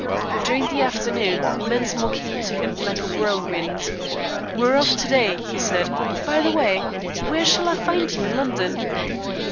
During the afternoon Mensmore came to him like a whirlwind. "We're off to day," he said. "By the way, where shall I find you in London?"